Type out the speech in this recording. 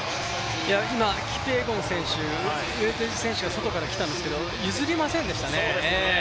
今、キピエゴン選手、ウェルテジ選手が外から来たんですけど、譲りませんでしたね。